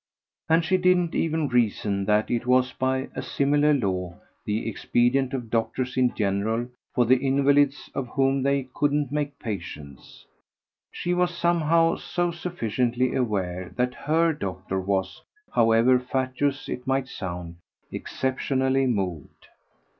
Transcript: And she didn't even reason that it was by a similar law the expedient of doctors in general for the invalids of whom they couldn't make patients: she was somehow so sufficiently aware that HER doctor was however fatuous it might sound exceptionally moved.